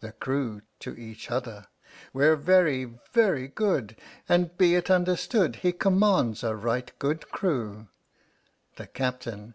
The CREW {to each other). We're very, very good, And be it understood, He commands a right good crew! THE Captain.